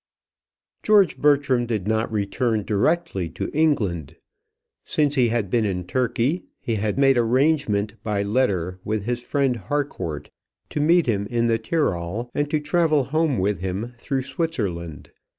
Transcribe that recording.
George Bertram did not return directly to England. Since he had been in Turkey, he had made arrangement by letter with his friend Harcourt to meet him in the Tyrol, and to travel home with him through Switzerland.